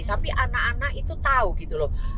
tapi anak anak itu tahu gitu loh